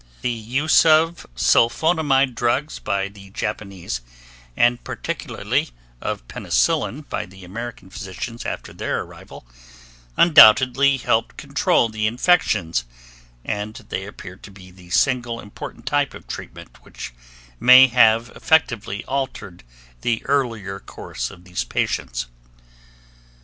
The use of sulfonamide drugs by the Japanese and particularly of penicillin by the American physicians after their arrival undoubtedly helped control the infections and they appear to be the single important type of treatment which may have effectively altered the earlier course of these patients.